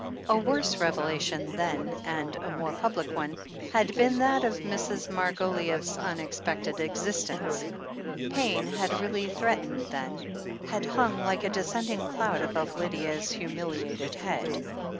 A worse revelation, then, and a more public one, had been that of Mrs. Margoliouth's unexpected existence. Pain had really threatened then — ^had hung Uke a de scending cloud above Lydia's humiliated head.